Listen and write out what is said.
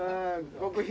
極秘。